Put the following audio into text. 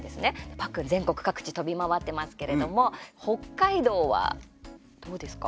パックン、全国各地飛び回ってますけれども北海道はどうですか？